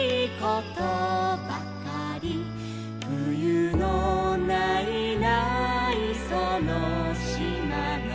「ふゆのないないそのしまの」